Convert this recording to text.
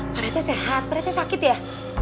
pak reti sehat pak reti sakit ya